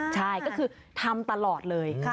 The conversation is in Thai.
ใช่ก็คือทำตลอดเลย